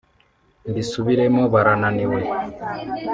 mbisubiremo barananiwe